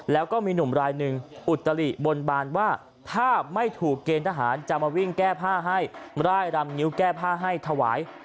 แล้วก็มีหนุ่มรายหนึ่งอุตริบนบานว่าถ้าไม่ถูกเกณฑ์ทหารจะมาวิ่งแก้ผ้าให้ร่ายรำนิ้วแก้ผ้าให้ถวาย